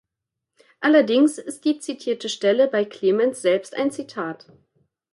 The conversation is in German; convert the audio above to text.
Allerdings ist die zitierte Stelle bei Klemens selbst ein Zitat.